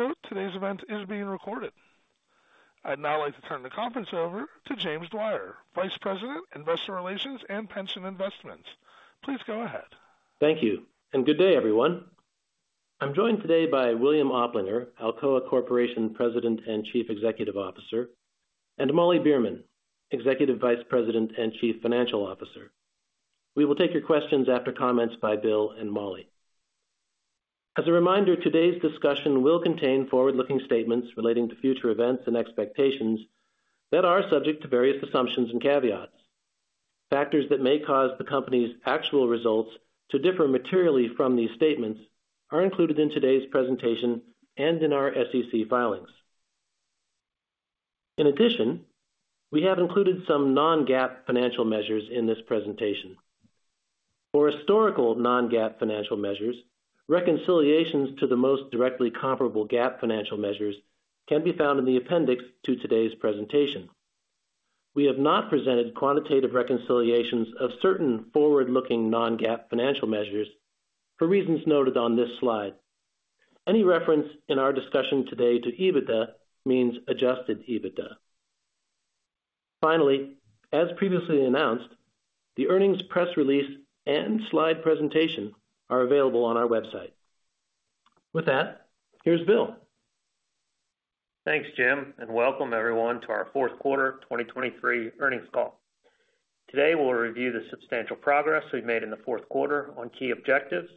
Please note, today's event is being recorded. I'd now like to turn the conference over to Jim Dwyer, Vice President, Investor Relations and Pension Investments. Please go ahead. Thank you, and good day, everyone. I'm joined today by William Oplinger, Alcoa Corporation President and Chief Executive Officer, and Molly Beerman, Executive Vice President and Chief Financial Officer. We will take your questions after comments by Bill and Molly. As a reminder, today's discussion will contain forward-looking statements relating to future events and expectations that are subject to various assumptions and caveats. Factors that may cause the company's actual results to differ materially from these statements are included in today's presentation and in our SEC filings. In addition, we have included some non-GAAP financial measures in this presentation. For historical non-GAAP financial measures, reconciliations to the most directly comparable GAAP financial measures can be found in the appendix to today's presentation. We have not presented quantitative reconciliations of certain forward-looking non-GAAP financial measures for reasons noted on this slide. Any reference in our discussion today to EBITDA means Adjusted EBITDA. Finally, as previously announced, the earnings press release and slide presentation are available on our website. With that, here's Bill. Thanks, Jim, and welcome everyone to our Fourth Quarter 2023 Earnings Call. Today, we'll review the substantial progress we've made in the fourth quarter on key objectives,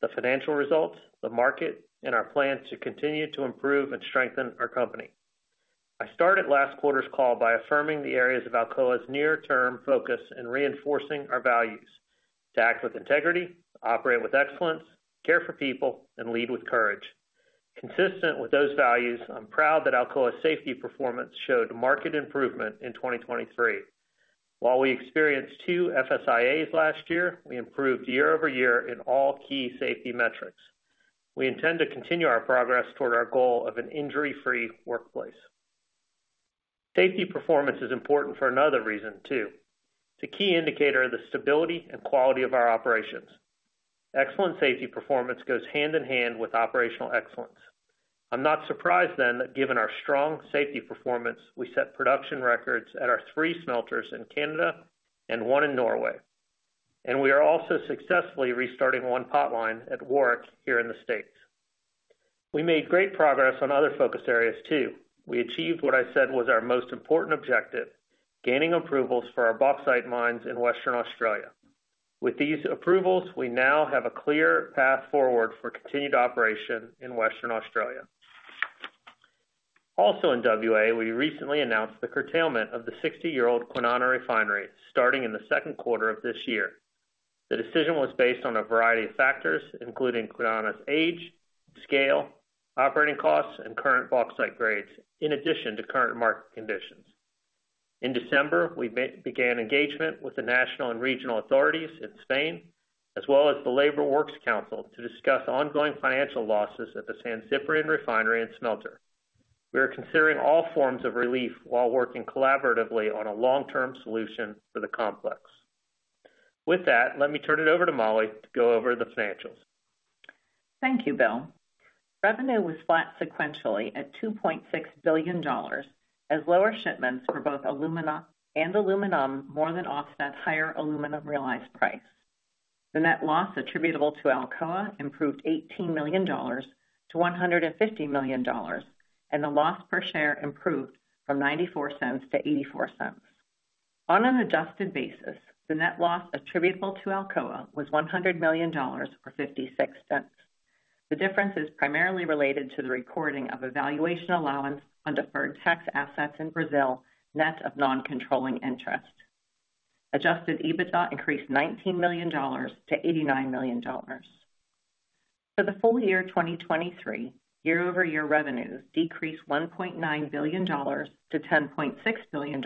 the financial results, the market, and our plans to continue to improve and strengthen our company. I started last quarter's call by affirming the areas of Alcoa's near-term focus in reinforcing our values: to act with integrity, operate with excellence, care for people, and lead with courage. Consistent with those values, I'm proud that Alcoa's safety performance showed market improvement in 2023. While we experienced two FSIA's last year, we improved year-over-year in all key safety metrics. We intend to continue our progress toward our goal of an injury-free workplace. Safety performance is important for another reason, too. It's a key indicator of the stability and quality of our operations. Excellent safety performance goes hand in hand with operational excellence. I'm not surprised then, that given our strong safety performance, we set production records at our three smelters in Canada and one in Norway. We are also successfully restarting one potline at Warrick here in the States. We made great progress on other focus areas, too. We achieved what I said was our most important objective, gaining approvals for our bauxite mines in Western Australia. With these approvals, we now have a clear path forward for continued operation in Western Australia. Also in WA, we recently announced the curtailment of the 60-year-old Kwinana Refinery, starting in the second quarter of this year. The decision was based on a variety of factors, including Kwinana's age, scale, operating costs, and current bauxite grades, in addition to current market conditions. In December, we began engagement with the national and regional authorities in Spain, as well as the Labor Works Council, to discuss ongoing financial losses at the San Ciprián Refinery and Smelter. We are considering all forms of relief while working collaboratively on a long-term solution for the complex. With that, let me turn it over to Molly to go over the financials. Thank you, Bill. Revenue was flat sequentially at $2.6 billion, as lower shipments for both alumina and aluminum more than offset higher aluminum realized price. The net loss attributable to Alcoa improved $18 million to $150 million, and the loss per share improved from $0.94 to $0.84. On an adjusted basis, the net loss attributable to Alcoa was $100 million, or $0.56. The difference is primarily related to the recording of a valuation allowance on deferred tax assets in Brazil, net of non-controlling interest. Adjusted EBITDA increased $19 million to $89 million. For the full year 2023, year-over-year revenues decreased $1.9 billion to $10.6 billion,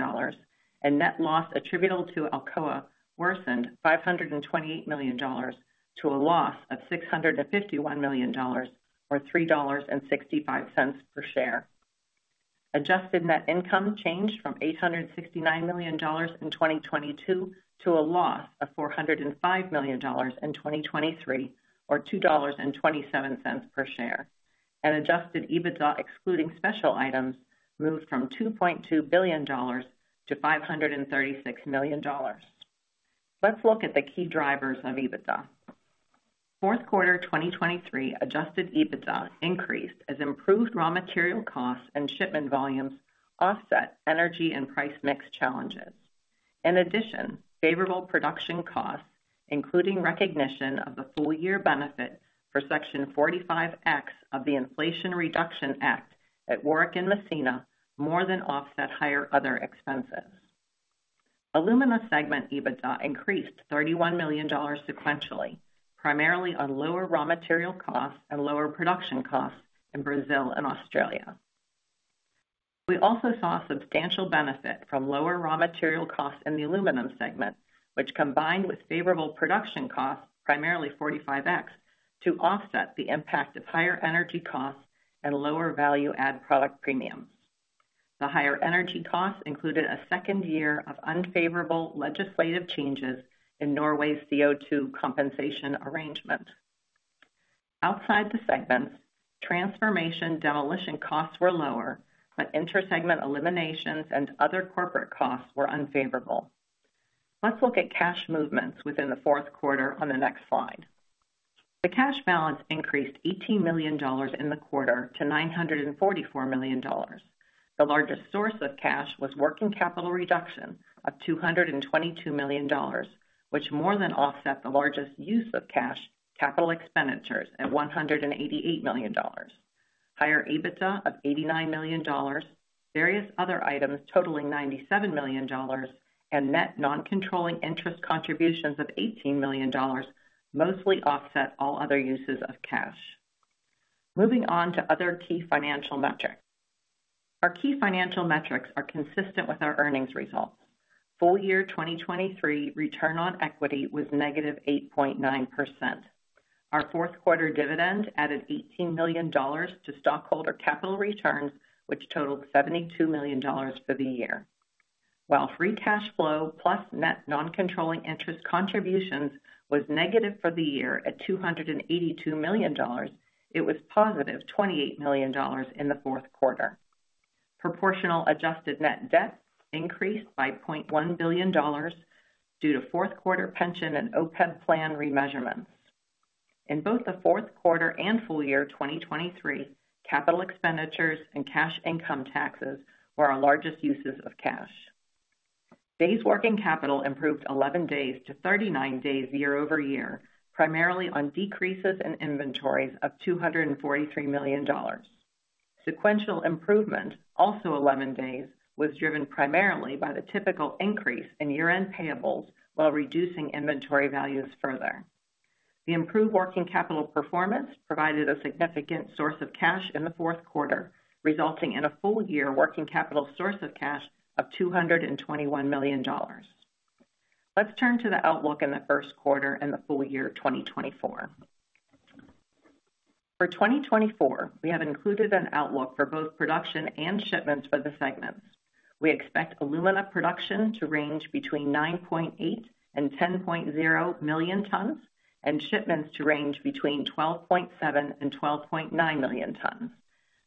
and net loss attributable to Alcoa worsened $528 million to a loss of $651 million, or $3.65 per share. Adjusted net income changed from $869 million in 2022 to a loss of $405 million in 2023, or $2.27 per share. Adjusted EBITDA, excluding special items, moved from $2.2 billion to $536 million. Let's look at the key drivers of EBITDA. Fourth quarter 2023 adjusted EBITDA increased as improved raw material costs and shipment volumes offset energy and price mix challenges. In addition, favorable production costs, including recognition of the full year benefit for Section 45X of the Inflation Reduction Act at Warwick and Massena, more than offset higher other expenses. Alumina segment EBITDA increased $31 million sequentially, primarily on lower raw material costs and lower production costs in Brazil and Australia. We also saw substantial benefit from lower raw material costs in the aluminum segment, which combined with favorable production costs, primarily 45X, to offset the impact of higher energy costs and lower value-add product premiums. The higher energy costs included a second year of unfavorable legislative changes in Norway's CO₂ compensation arrangement. Outside the segments, transformation demolition costs were lower, but intersegment eliminations and other corporate costs were unfavorable. Let's look at cash movements within the fourth quarter on the next slide. The cash balance increased $18 million in the quarter to $944 million. The largest source of cash was working capital reduction of $222 million, which more than offset the largest use of cash, capital expenditures at $188 million. Higher EBITDA of $89 million, various other items totaling $97 million, and net non-controlling interest contributions of $18 million, mostly offset all other uses of cash. Moving on to other key financial metrics. Our key financial metrics are consistent with our earnings results. Full year 2023 return on equity was -8.9%. Our fourth quarter dividend added $18 million to stockholder capital returns, which totaled $72 million for the year. While Free Cash Flow plus net non-controlling interest contributions was negative for the year at $282 million, it was positive $28 million in the fourth quarter. Proportional adjusted net debt increased by $0.1 billion due to fourth quarter pension and OPEB plan remeasurements. In both the fourth quarter and full year 2023, capital expenditures and cash income taxes were our largest uses of cash. Days working capital improved 11 days to 39 days year-over-year, primarily on decreases in inventories of $243 million. Sequential improvement, also 11 days, was driven primarily by the typical increase in year-end payables while reducing inventory values further. The improved working capital performance provided a significant source of cash in the fourth quarter, resulting in a full-year working capital source of cash of $221 million. Let's turn to the outlook in the first quarter and the full year 2024. For 2024, we have included an outlook for both production and shipments by the segments. We expect alumina production to range between 9.8 million -10.0 million tons, and shipments to range between 12.7 million-12.9 million tons.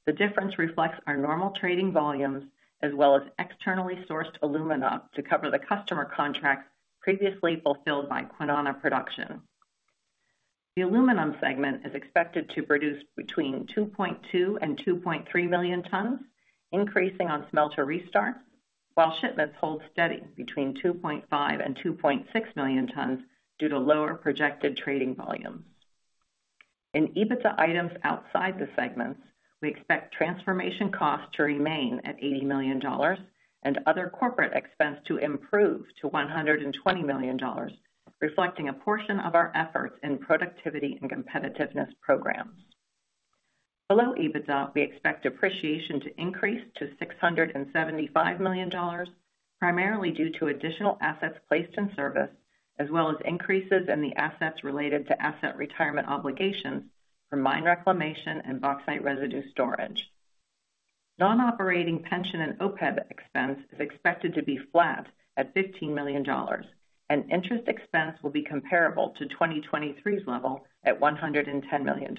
The difference reflects our normal trading volumes as well as externally sourced alumina to cover the customer contracts previously fulfilled by Kwinana production. The aluminum segment is expected to produce between 2.2 million-2.3 million tons, increasing on smelter restart, while shipments hold steady between 2.5 million-2.6 million tons due to lower projected trading volumes. In EBITDA items outside the segments, we expect transformation costs to remain at $80 million and other corporate expense to improve to $120 million, reflecting a portion of our efforts in productivity and competitiveness programs. Below EBITDA, we expect depreciation to increase to $675 million, primarily due to additional assets placed in service, as well as increases in the assets related to asset retirement obligations for mine reclamation and bauxite residue storage. Non-operating pension and OPEB expense is expected to be flat at $15 million, and interest expense will be comparable to 2023's level at $110 million.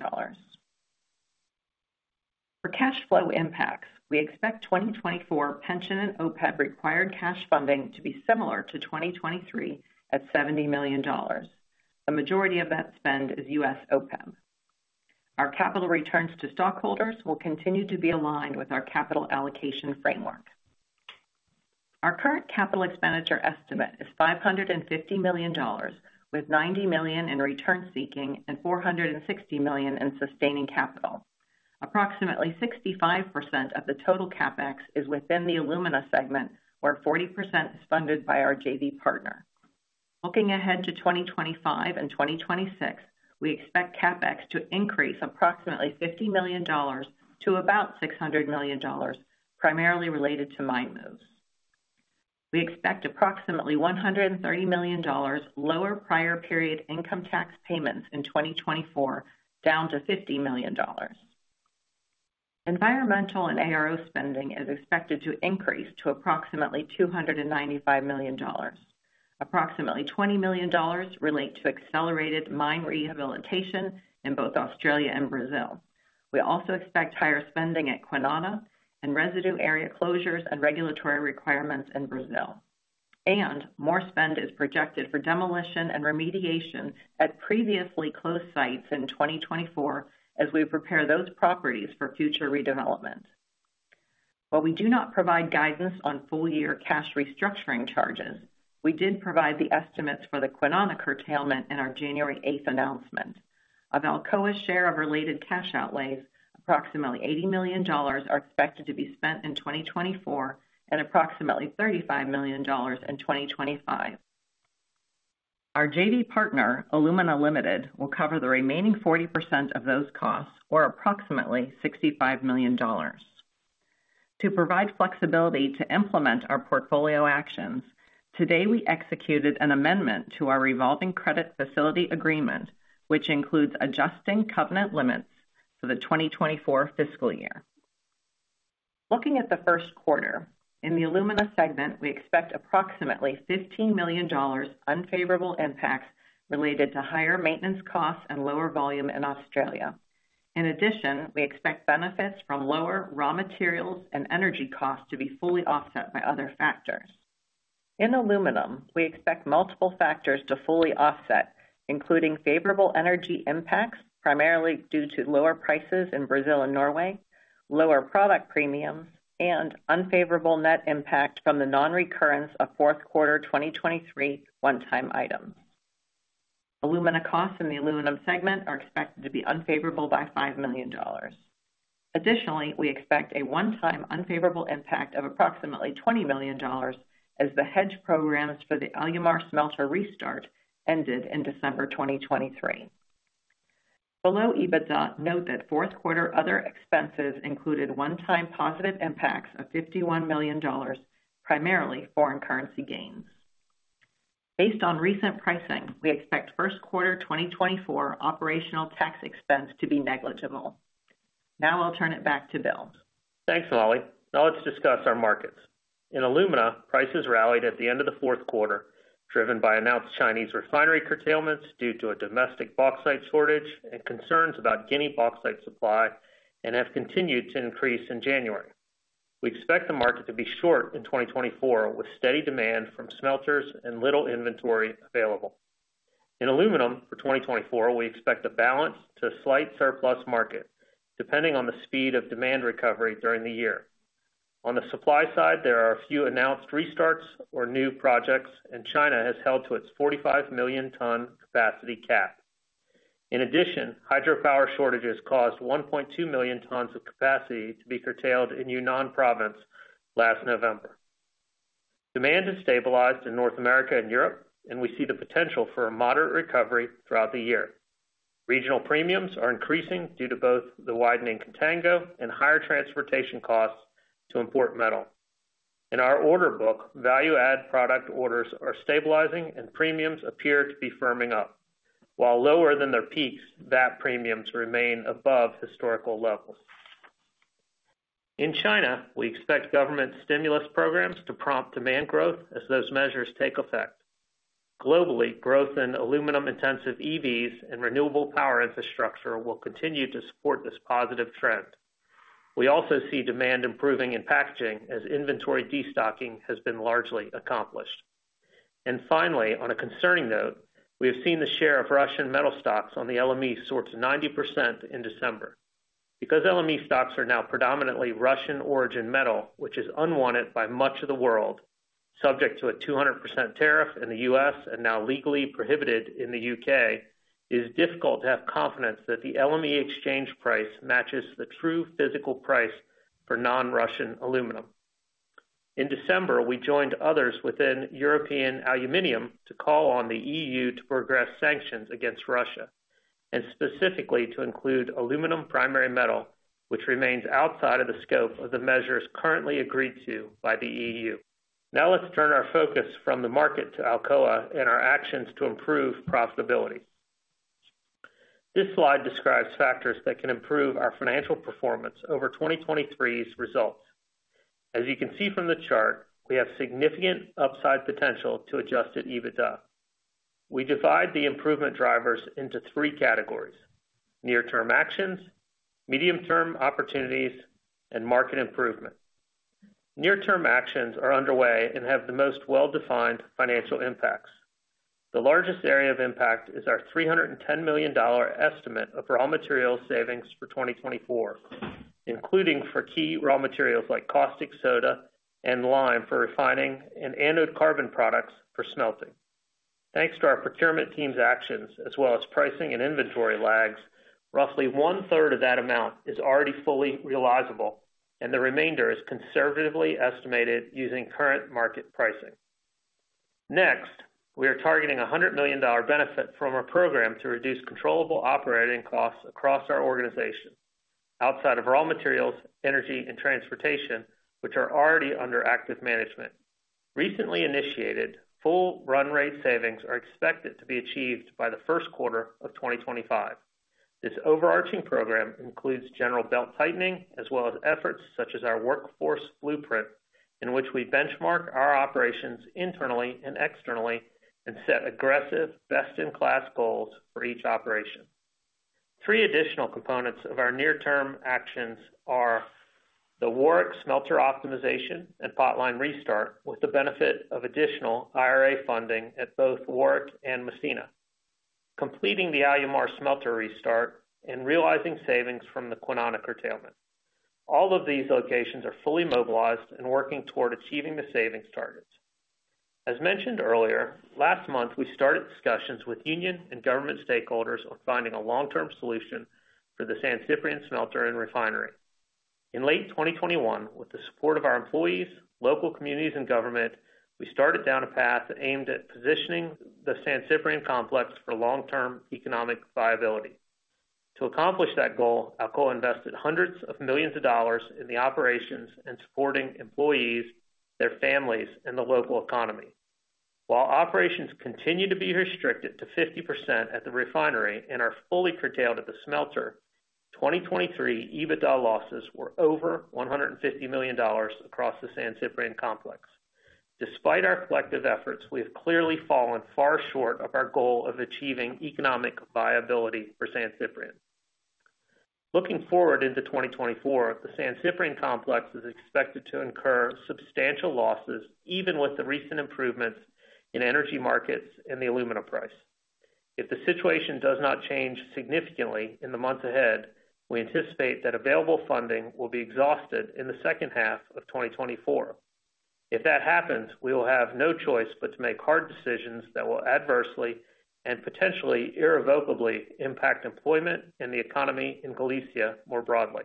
For cash flow impacts, we expect 2024 pension and OPEB required cash funding to be similar to 2023, at $70 million. The majority of that spend is U.S. OPEB. Our capital returns to stockholders will continue to be aligned with our capital allocation framework. Our current capital expenditure estimate is $550 million, with $90 million in return seeking and $460 million in sustaining capital. Approximately 65% of the total CapEx is within the alumina segment, where 40% is funded by our JV partner. Looking ahead to 2025 and 2026, we expect CapEx to increase approximately $50 million to about $600 million, primarily related to mine moves. We expect approximately $130 million lower prior period income tax payments in 2024, down to $50 million. Environmental and ARO spending is expected to increase to approximately $295 million. Approximately $20 million relate to accelerated mine rehabilitation in both Australia and Brazil. We also expect higher spending at Kwinana and residue area closures and regulatory requirements in Brazil. More spend is projected for demolition and remediation at previously closed sites in 2024 as we prepare those properties for future redevelopment. While we do not provide guidance on full year cash restructuring charges, we did provide the estimates for the Kwinana curtailment in our January 8 announcement. Of Alcoa's share of related cash outlays, approximately $80 million are expected to be spent in 2024 and approximately $35 million in 2025. Our JV partner, Alumina Limited, will cover the remaining 40% of those costs, or approximately $65 million. To provide flexibility to implement our portfolio actions, today, we executed an amendment to our revolving credit facility agreement, which includes adjusting covenant limits for the 2024 fiscal year. Looking at the first quarter, in the alumina segment, we expect approximately $15 million unfavorable impacts related to higher maintenance costs and lower volume in Australia. In addition, we expect benefits from lower raw materials and energy costs to be fully offset by other factors. In aluminum, we expect multiple factors to fully offset, including favorable energy impacts, primarily due to lower prices in Brazil and Norway, lower product premiums, and unfavorable net impact from the non-recurrence of fourth quarter 2023 one-time items. Alumina costs in the aluminum segment are expected to be unfavorable by $5 million. Additionally, we expect a one-time unfavorable impact of approximately $20 million as the hedge programs for the Alumar smelter restart ended in December 2023. Below EBITDA, note that fourth quarter other expenses included one-time positive impacts of $51 million, primarily foreign currency gains. Based on recent pricing, we expect first quarter 2024 operational tax expense to be negligible. Now I'll turn it back to Bill. Thanks, Molly. Now let's discuss our markets. In alumina, prices rallied at the end of the fourth quarter, driven by announced Chinese refinery curtailments due to a domestic bauxite shortage and concerns about Guinea bauxite supply, and have continued to increase in January. We expect the market to be short in 2024, with steady demand from smelters and little inventory available. In aluminum for 2024, we expect a balanced to slight surplus market, depending on the speed of demand recovery during the year. On the supply side, there are a few announced restarts or new projects, and China has held to its 45 million ton capacity cap. In addition, hydropower shortages caused 1.2 million tons of capacity to be curtailed in Yunnan Province last November. Demand has stabilized in North America and Europe, and we see the potential for a moderate recovery throughout the year. Regional premiums are increasing due to both the widening contango and higher transportation costs to import metal. In our order book, value-add product orders are stabilizing and premiums appear to be firming up. While lower than their peaks, those premiums remain above historical levels. In China, we expect government stimulus programs to prompt demand growth as those measures take effect. Globally, growth in aluminum-intensive EVs and renewable power infrastructure will continue to support this positive trend. We also see demand improving in packaging as inventory destocking has been largely accomplished. And finally, on a concerning note, we have seen the share of Russian metal stocks on the LME soar to 90% in December. Because LME stocks are now predominantly Russian origin metal, which is unwanted by much of the world, subject to a 200% tariff in the U.S. and now legally prohibited in the U.K., it is difficult to have confidence that the LME exchange price matches the true physical price for non-Russian aluminum. In December, we joined others within European Aluminium to call on the EU to progress sanctions against Russia, and specifically to include aluminum primary metal, which remains outside of the scope of the measures currently agreed to by the EU. Now let's turn our focus from the market to Alcoa and our actions to improve profitability. This slide describes factors that can improve our financial performance over 2023's results. As you can see from the chart, we have significant upside potential to adjusted EBITDA. We divide the improvement drivers into three categories: near-term actions, medium-term opportunities, and market improvement. Near-term actions are underway and have the most well-defined financial impacts. The largest area of impact is our $310 million estimate of raw material savings for 2024, including for key raw materials like caustic soda and lime for refining and anode carbon products for smelting. Thanks to our procurement team's actions, as well as pricing and inventory lags, roughly 1/3 of that amount is already fully realizable, and the remainder is conservatively estimated using current market pricing. Next, we are targeting a $100 million benefit from our program to reduce controllable operating costs across our organization, outside of raw materials, energy, and transportation, which are already under active management. Recently initiated, full run rate savings are expected to be achieved by the first quarter of 2025. This overarching program includes general belt-tightening, as well as efforts such as our workforce blueprint, in which we benchmark our operations internally and externally and set aggressive, best-in-class goals for each operation. Three additional components of our near-term actions are the Warwick Smelter optimization and potline restart, with the benefit of additional IRA funding at both Warwick and Massena, completing the Alumar Smelter restart, and realizing savings from the Kwinana curtailment. All of these locations are fully mobilized and working toward achieving the savings targets. As mentioned earlier, last month, we started discussions with union and government stakeholders on finding a long-term solution for the San Ciprián Smelter and Refinery. In late 2021, with the support of our employees, local communities, and government, we started down a path aimed at positioning the San Ciprián complex for long-term economic viability. To accomplish that goal, Alcoa invested hundreds of millions of dollars in the operations and supporting employees, their families, and the local economy. While operations continue to be restricted to 50% at the refinery and are fully curtailed at the smelter, 2023 EBITDA losses were over $150 million across the San Ciprián complex. Despite our collective efforts, we have clearly fallen far short of our goal of achieving economic viability for San Ciprián. Looking forward into 2024, the San Ciprián complex is expected to incur substantial losses, even with the recent improvements in energy markets and the alumina price. If the situation does not change significantly in the months ahead, we anticipate that available funding will be exhausted in the second half of 2024. If that happens, we will have no choice but to make hard decisions that will adversely and potentially irrevocably impact employment and the economy in Galicia more broadly.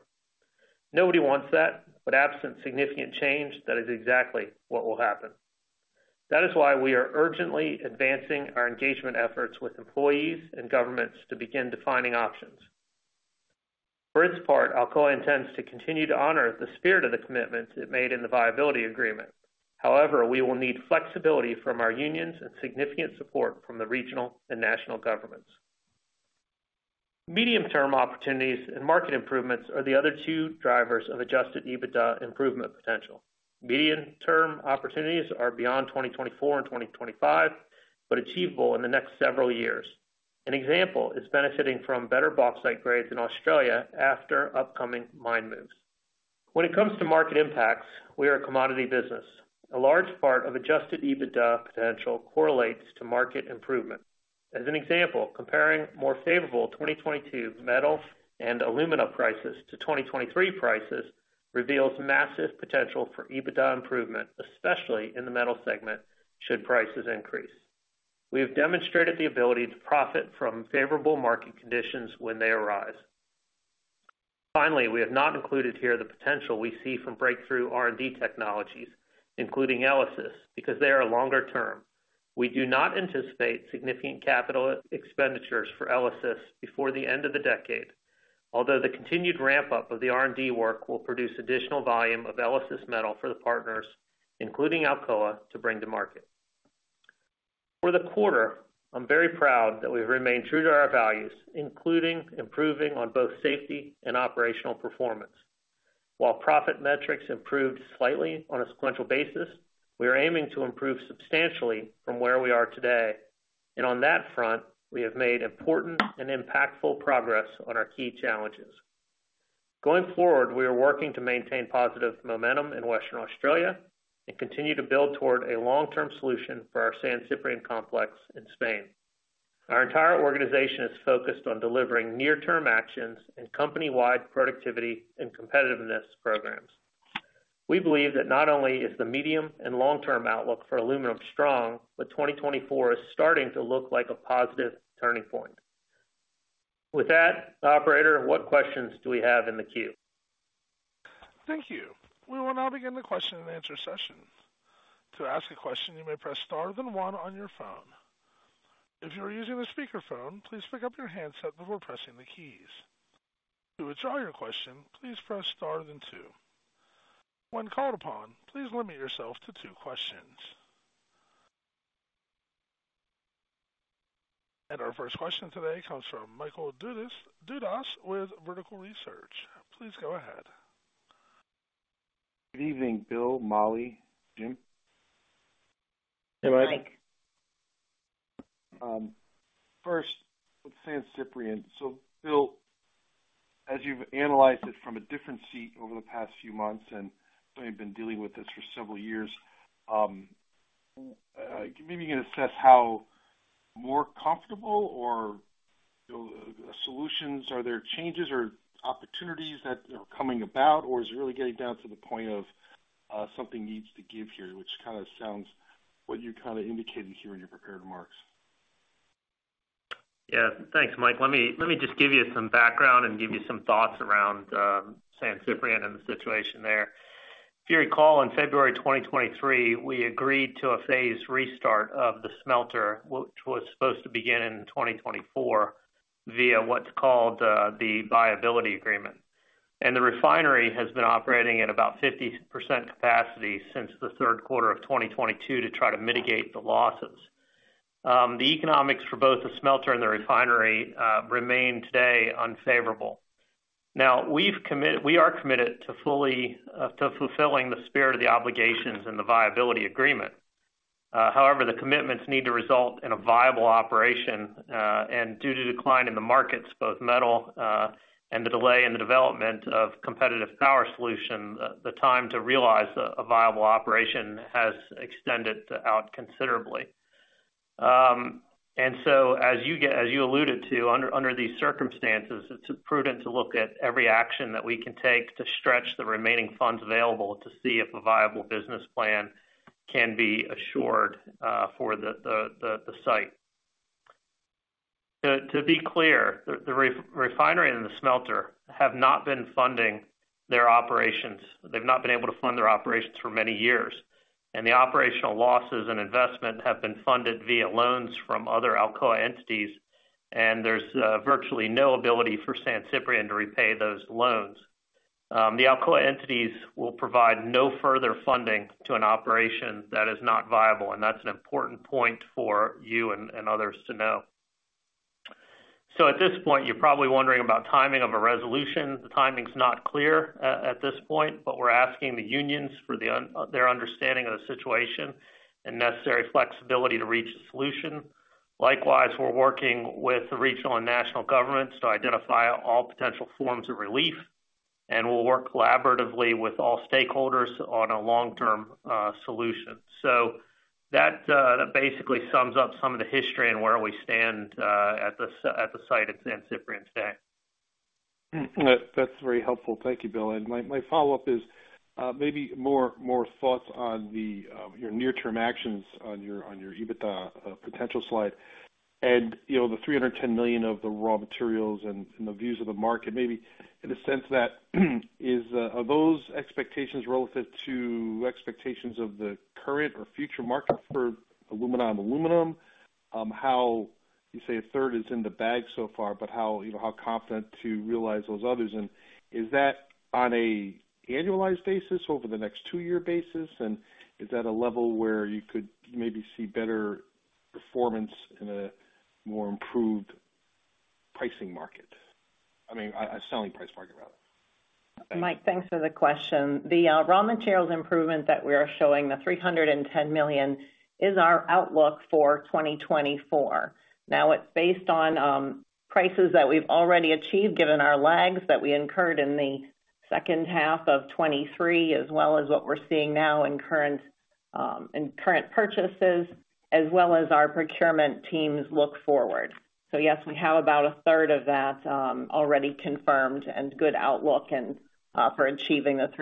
Nobody wants that, but absent significant change, that is exactly what will happen. That is why we are urgently advancing our engagement efforts with employees and governments to begin defining options. For its part, Alcoa intends to continue to honor the spirit of the commitments it made in the viability agreement. However, we will need flexibility from our unions and significant support from the regional and national governments. Medium-term opportunities and market improvements are the other two drivers of Adjusted EBITDA improvement potential. Medium-term opportunities are beyond 2024 and 2025, but achievable in the next several years. An example is benefiting from better bauxite grades in Australia after upcoming mine moves. When it comes to market impacts, we are a commodity business. A large part of adjusted EBITDA potential correlates to market improvement. As an example, comparing more favorable 2022 metals and alumina prices to 2023 prices, reveals massive potential for EBITDA improvement, especially in the metal segment, should prices increase. We have demonstrated the ability to profit from favorable market conditions when they arise. Finally, we have not included here the potential we see from breakthrough R&D technologies, including ELYSIS, because they are longer term. We do not anticipate significant capital expenditures for ELYSIS before the end of the decade, although the continued ramp-up of the R&D work will produce additional volume of ELYSIS metal for the partners, including Alcoa, to bring to market. For the quarter, I'm very proud that we've remained true to our values, including improving on both safety and operational performance. While profit metrics improved slightly on a sequential basis, we are aiming to improve substantially from where we are today, and on that front, we have made important and impactful progress on our key challenges. Going forward, we are working to maintain positive momentum in Western Australia and continue to build toward a long-term solution for our San Ciprián complex in Spain. Our entire organization is focused on delivering near-term actions and company-wide productivity and competitiveness programs. We believe that not only is the medium and long-term outlook for aluminum strong, but 2024 is starting to look like a positive turning point. With that, operator, what questions do we have in the queue? Thank you. We will now begin the question and answer session. To ask a question, you may press star then one on your phone. If you are using a speakerphone, please pick up your handset before pressing the keys. To withdraw your question, please press star then two. When called upon, please limit yourself to two questions. Our first question today comes from Michael Dudas with Vertical Research. Please go ahead. Good evening, Bill, Molly, Jim. Hey, Mike. First, with San Ciprián. So Bill, as you've analyzed it from a different seat over the past few months, and so you've been dealing with this for several years, maybe you can assess how more comfortable or solutions, are there changes or opportunities that are coming about, or is it really getting down to the point of, something needs to give here, which kind of sounds what you're kind of indicating here in your prepared remarks? Yeah. Thanks, Mike. Let me just give you some background and give you some thoughts around San Ciprián and the situation there. If you recall, in February 2023, we agreed to a phased restart of the smelter, which was supposed to begin in 2024, via what's called the viability agreement. And the refinery has been operating at about 50% capacity since the third quarter of 2022 to try to mitigate the losses. The economics for both the smelter and the refinery remain today unfavorable. Now, we are committed to fully fulfilling the spirit of the obligations and the viability agreement. However, the commitments need to result in a viable operation, and due to decline in the markets, both metal, and the delay in the development of competitive power solution, the time to realize a viable operation has extended out considerably. And so as you alluded to, under these circumstances, it's prudent to look at every action that we can take to stretch the remaining funds available to see if a viable business plan can be assured for the site. To be clear, the refinery and the smelter have not been funding their operations. They've not been able to fund their operations for many years, and the operational losses and investment have been funded via loans from other Alcoa entities, and there's virtually no ability for San Ciprián to repay those loans. The Alcoa entities will provide no further funding to an operation that is not viable, and that's an important point for you and, and others to know. So at this point, you're probably wondering about timing of a resolution. The timing's not clear, at this point, but we're asking the unions for their understanding of the situation and necessary flexibility to reach a solution. Likewise, we're working with the regional and national governments to identify all potential forms of relief, and we'll work collaboratively with all stakeholders on a long-term solution. So that basically sums up some of the history and where we stand, at the site at San Ciprián today. That's very helpful. Thank you, Bill. And my follow-up is, maybe more thoughts on your near-term actions on your EBITDA potential slide. And, you know, the $310 million of the raw materials and the views of the market, maybe in the sense that, are those expectations relative to expectations of the current or future market for alumina and aluminum? How... You say a third is in the bag so far, but how, you know, how confident to realize those others? And is that on an annualized basis over the next two-year basis, and is that a level where you could maybe see better performance in a more improved pricing market? I mean, a selling price market, rather. Mike, thanks for the question. The raw materials improvement that we are showing, the $310 million, is our outlook for 2024. Now, it's based on prices that we've already achieved, given our lags that we incurred in the second half of 2023, as well as what we're seeing now in current purchases, as well as our procurement teams look forward. So yes, we have about a t1/3 of that already confirmed and good outlook and for achieving the $310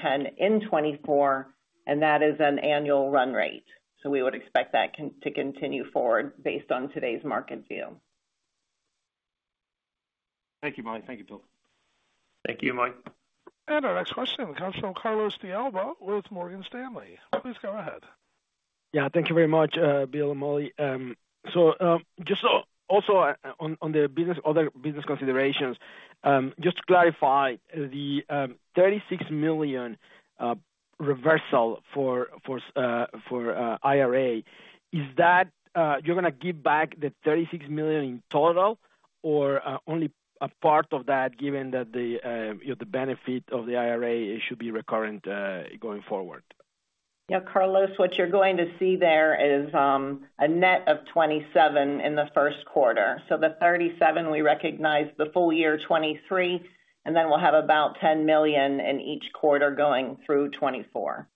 million in 2024, and that is an annual run rate. So we would expect that to continue forward based on today's market view. Thank you, Molly. Thank you, Bill. Thank you, Mike. Our next question comes from Carlos de Alba with Morgan Stanley. Please go ahead. Yeah, thank you very much, Bill and Molly. So, just also on the business, other business considerations, just to clarify, the $36 million reversal for IRA, is that you're going to give back the $36 million in total, or only a part of that, given that, you know, the benefit of the IRA should be recurrent going forward? Yeah, Carlos, what you're going to see there is a net of $27 million in the first quarter. So the $37 million, we recognize the full year 2023, and then we'll have about $10 million in each quarter going through 2024.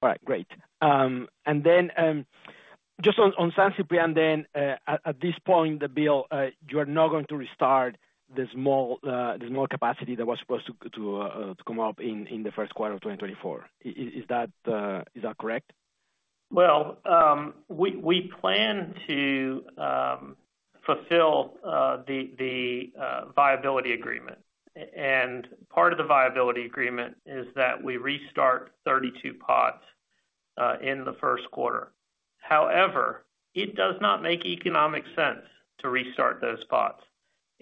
All right, great. And then, just on San Ciprián, at this point, Bill, you are not going to restart the small capacity that was supposed to come up in the first quarter of 2024. Is that correct? Well, we plan to fulfill the viability agreement. And part of the viability agreement is that we restart 32 pots in the first quarter. However, it does not make economic sense to restart those pots.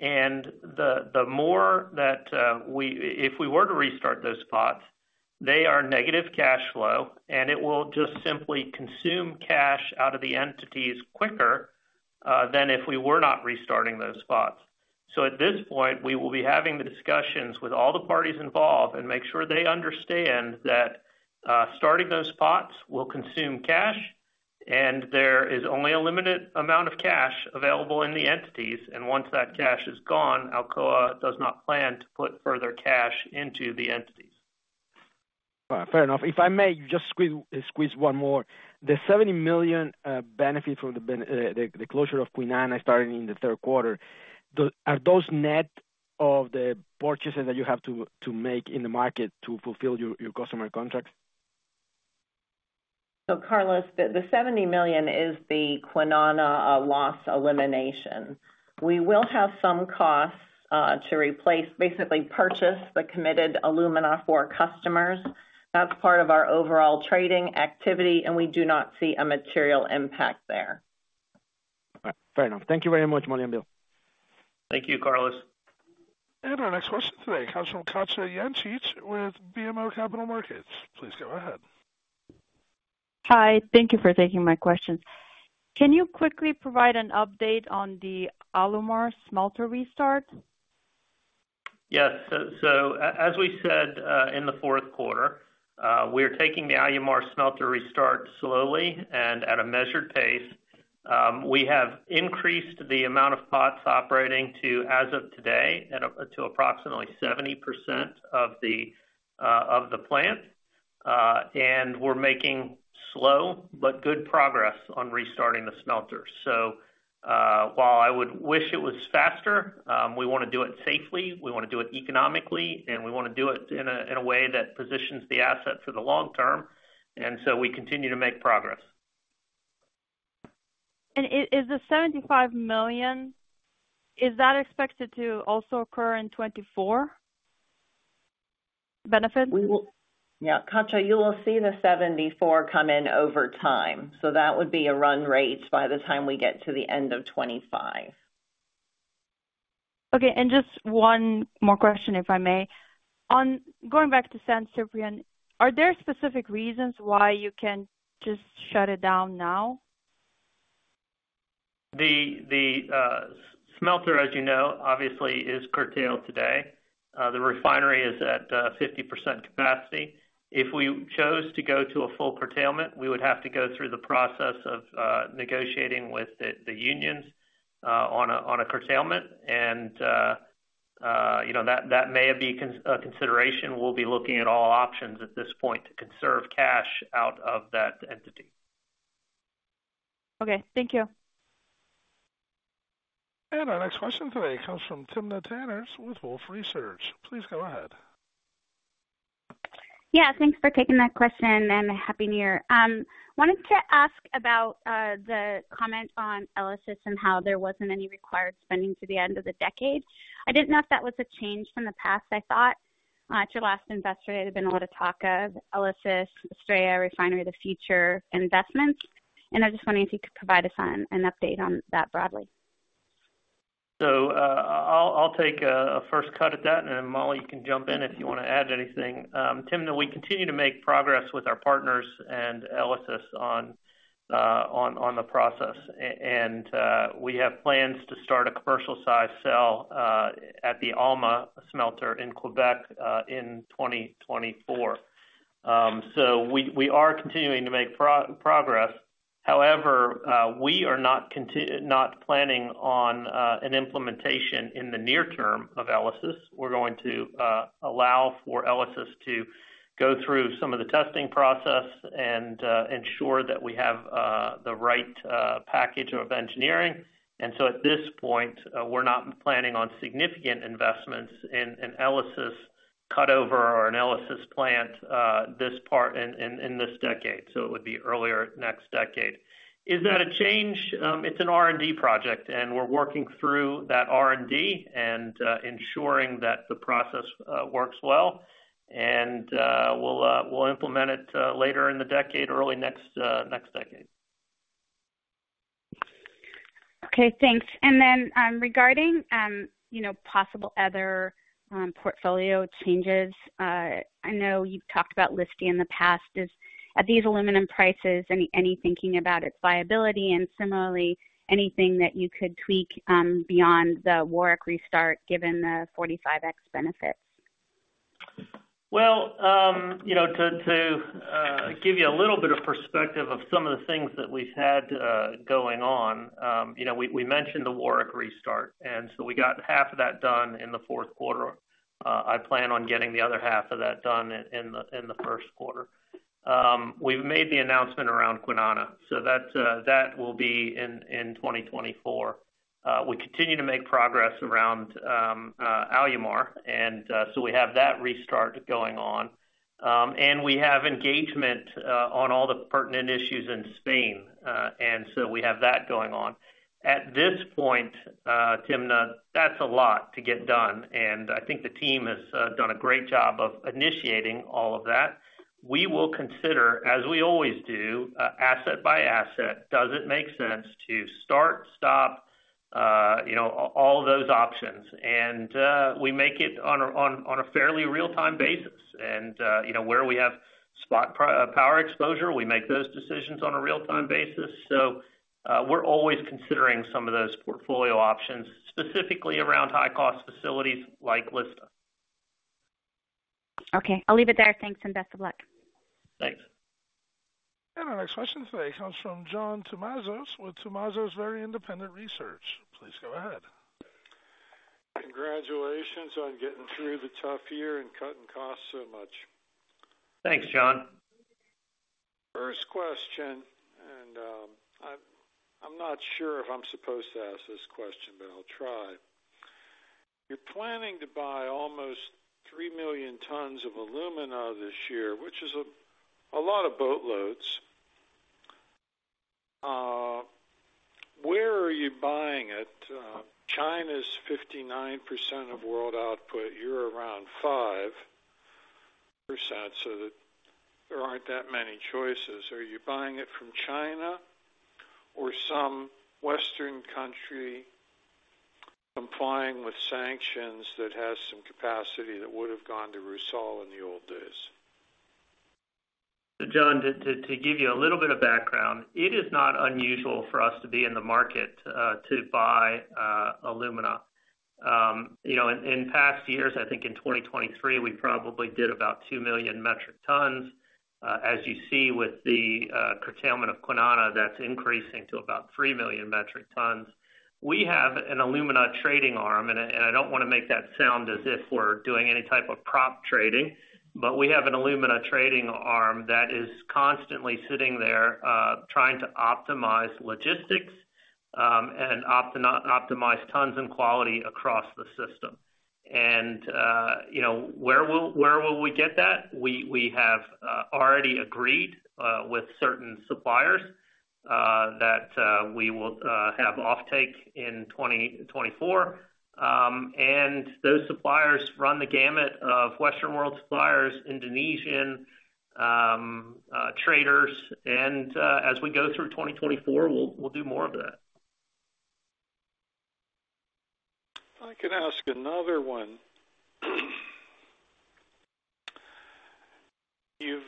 And the more that we... If we were to restart those pots, they are negative cash flow, and it will just simply consume cash out of the entities quicker than if we were not restarting those pots. So at this point, we will be having the discussions with all the parties involved and make sure they understand that starting those pots will consume cash, and there is only a limited amount of cash available in the entities, and once that cash is gone, Alcoa does not plan to put further cash into the entities. Fair enough. If I may just squeeze one more. The $70 million benefit from the closure of Kwinana starting in the third quarter, are those net of the purchases that you have to make in the market to fulfill your customer contracts? So Carlos, the $70 million is the Kwinana loss elimination. We will have some costs to replace, basically purchase the committed alumina for customers. That's part of our overall trading activity, and we do not see a material impact there. Fair enough. Thank you very much, Molly and Bill. Thank you, Carlos. Our next question today comes from Katja Jancic with BMO Capital Markets. Please go ahead. Hi. Thank you for taking my questions. Can you quickly provide an update on the Alumar smelter restart? Yes. So, as we said, in the fourth quarter, we're taking the Alumar smelter restart slowly and at a measured pace. We have increased the amount of pots operating to, as of today, at up to approximately 70% of the plant, and we're making slow but good progress on restarting the smelter. So, while I would wish it was faster, we want to do it safely, we want to do it economically, and we want to do it in a way that positions the asset for the long term, and so we continue to make progress. Is, is the $75 million, is that expected to also occur in 2024? benefit? Yeah, Katja, you will see the 74 come in over time, so that would be a run rate by the time we get to the end of 2025. Okay. And just one more question, if I may. Going back to San Ciprián, are there specific reasons why you can just shut it down now? The smelter, as you know, obviously is curtailed today. The refinery is at 50% capacity. If we chose to go to a full curtailment, we would have to go through the process of negotiating with the unions on a curtailment. And you know, that may be a consideration. We'll be looking at all options at this point to conserve cash out of that entity. Okay, thank you. Our next question today comes from Timna Tanners with Wolfe Research. Please go ahead. Yeah, thanks for taking that question, and Happy New Year. Wanted to ask about the comment on ELYSIS and how there wasn't any required spending to the end of the decade. I didn't know if that was a change from the past. I thought at your last Investor Day, there'd been a lot of talk of ELYSIS, Australia Refinery, the future investments, and I just wondering if you could provide us on an update on that broadly. So, I'll take a first cut at that, and then, Molly, you can jump in if you want to add anything. Timna, we continue to make progress with our partners and ELYSIS on the process. And we have plans to start a commercial-sized cell at the Alma smelter in Quebec in 2024. So we are continuing to make progress. However, we are not planning on an implementation in the near term of ELYSIS. We're going to allow for ELYSIS to go through some of the testing process and ensure that we have the right package of engineering. And so at this point, we're not planning on significant investments in ELYSIS cut over or an ELYSIS plant this part in this decade. So it would be earlier next decade. Is that a change? It's an R&D project, and we're working through that R&D and ensuring that the process works well. And we'll implement it later in the decade, early next next decade. Okay, thanks. And then, regarding, you know, possible other portfolio changes, I know you've talked about Lista in the past. Is, at these aluminum prices, any thinking about its viability, and similarly, anything that you could tweak beyond the Warwick restart, given the 45X benefits? Well, you know, to give you a little bit of perspective of some of the things that we've had going on, you know, we mentioned the Warwick restart, and so we got half of that done in the fourth quarter. I plan on getting the other half of that done in the first quarter. We've made the announcement around Kwinana, so that will be in 2024. We continue to make progress around Alumar, and so we have that restart going on. We have engagement on all the pertinent issues in Spain, and so we have that going on. At this point, Timna, that's a lot to get done, and I think the team has done a great job of initiating all of that. We will consider, as we always do, asset by asset, does it make sense to start, stop, you know, all those options? And we make it on a, on, on a fairly real-time basis. And you know, where we have spot power exposure, we make those decisions on a real-time basis. So, we're always considering some of those portfolio options, specifically around high-cost facilities like Lista. Okay, I'll leave it there. Thanks, and best of luck. Thanks. Our next question today comes from John Tumazos with Tumazos Very Independent Research. Please go ahead. Congratulations on getting through the tough year and cutting costs so much. Thanks, John. First question, and I'm not sure if I'm supposed to ask this question, but I'll try. You're planning to buy almost 3 million tons of alumina this year, which is a lot of boatloads. Where are you buying it? China's 59% of world output, you're around 5%, so that there aren't that many choices. Are you buying it from China or some Western country complying with sanctions that has some capacity that would have gone to Rusal in the old days? John, to give you a little bit of background, it is not unusual for us to be in the market to buy alumina. You know, in past years, I think in 2023, we probably did about 2 million metric tons. As you see, with the curtailment of Kwinana, that's increasing to about 3 million metric tons. We have an alumina trading arm, and I don't want to make that sound as if we're doing any type of prop trading, but we have an alumina trading arm that is constantly sitting there trying to optimize logistics and optimize tons and quality across the system. And you know, where will we get that? We have already agreed with certain suppliers that we will have offtake in 2024. And those suppliers run the gamut of Western world suppliers, Indonesian traders, and as we go through 2024, we'll do more of that. I can ask another one. You've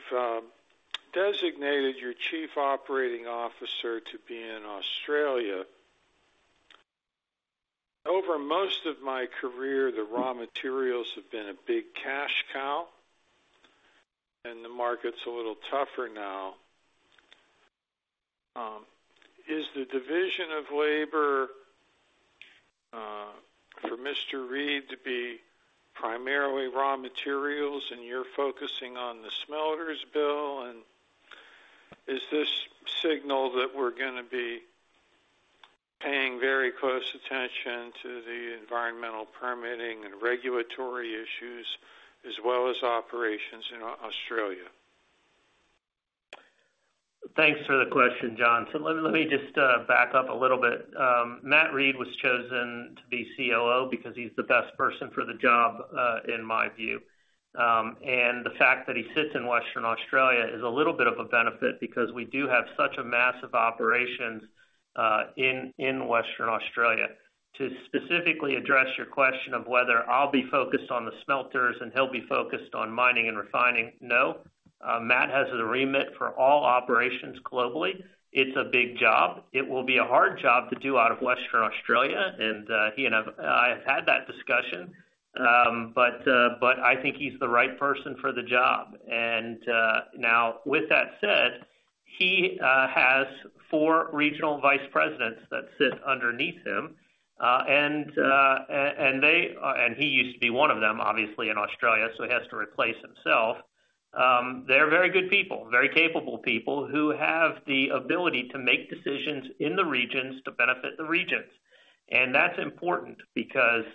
designated your Chief Operating Officer to be in Australia. Over most of my career, the raw materials have been a big cash cow, and the market's a little tougher now. Is the division of labor for Mr. Reed to be primarily raw materials, and you're focusing on the smelters, Bill? And is this signal that we're gonna be paying very close attention to the environmental permitting and regulatory issues as well as operations in Australia? Thanks for the question, John. So let me just back up a little bit. Matt Reed was chosen to be COO because he's the best person for the job, in my view. And the fact that he sits in Western Australia is a little bit of a benefit because we do have such a massive operations in Western Australia. To specifically address your question of whether I'll be focused on the smelters, and he'll be focused on mining and refining, no. Matt has the remit for all operations globally. It's a big job. It will be a hard job to do out of Western Australia, and he and I have had that discussion. But I think he's the right person for the job. Now, with that said, he has four regional vice presidents that sit underneath him, and they, and he used to be one of them, obviously, in Australia, so he has to replace himself. They're very good people, very capable people who have the ability to make decisions in the regions to benefit the regions. And that's important because,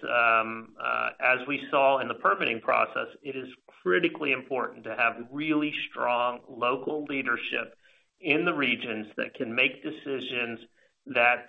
as we saw in the permitting process, it is critically important to have really strong local leadership in the regions that can make decisions that,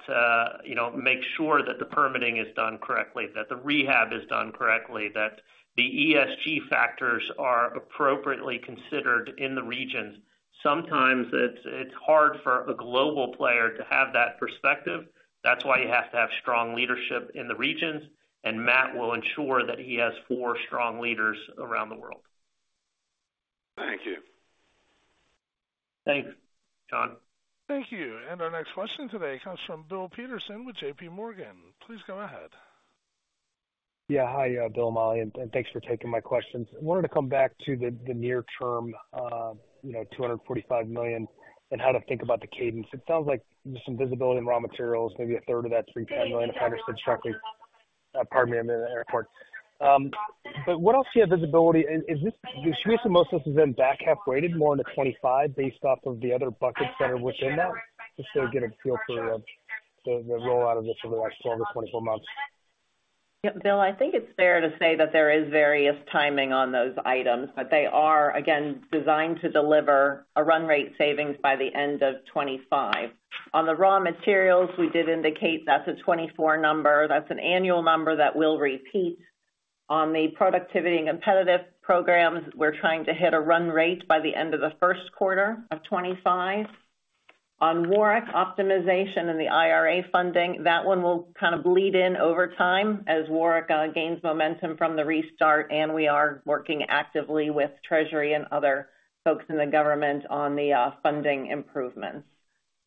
you know, make sure that the permitting is done correctly, that the rehab is done correctly, that the ESG factors are appropriately considered in the regions. Sometimes it's hard for a global player to have that perspective. That's why you have to have strong leadership in the regions, and Matt will ensure that he has four strong leaders around the world. Thank you. Thanks, John. Thank you. Our next question today comes from Bill Peterson with JPMorgan. Please go ahead. Yeah. Hi, Bill, Molly, and thanks for taking my questions. I wanted to come back to the near term, you know, $245 million and how to think about the cadence. It sounds like there's some visibility in raw materials, maybe a 1/3 of that $310 million, if I understood correctly. Pardon me, I'm in the airport. But what else do you have visibility? And is this- should we assume most of this is then back half weighted more into 2025 based off of the other buckets that are within that? Just to get a feel for the rollout of this over the next 12 to 24 months. Yep, Bill, I think it's fair to say that there is various timing on those items, but they are, again, designed to deliver a run rate savings by the end of 2025. On the raw materials, we did indicate that's a 2024 number. That's an annual number that we'll repeat. On the productivity and competitive programs, we're trying to hit a run rate by the end of the first quarter of 2025. On Warwick optimization and the IRA funding, that one will kind of bleed in over time as Warwick gains momentum from the restart, and we are working actively with Treasury and other folks in the government on the funding improvements.